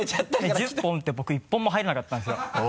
１０本打って僕１本も入らなかったんですよ。